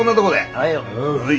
はい。